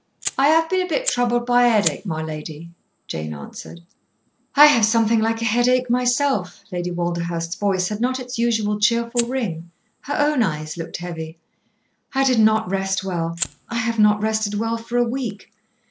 "I have been a bit troubled by a headache, my lady," Jane answered. "I have something like a headache myself." Lady Walderhurst's voice had not its usual cheerful ring. Her own eyes looked heavy. "I did not rest well. I have not rested well for a week.